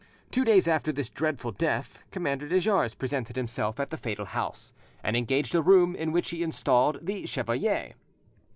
Two days after this dreadful death, Commander de Jars presented himself at the fatal house, and engaged a room in which he installed the chevalier.